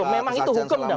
loh memang itu hukum